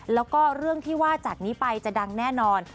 แล้วก็เรื่องที่ว่าจากนี้ไปจะดังแน่นอน